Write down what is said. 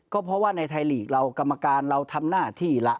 ก็เพราะว่าในไทยลีกเรากรรมการเราทำหน้าที่ละ